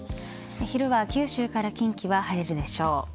昼は九州から近畿は晴れるでしょう。